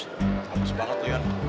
hapus banget nian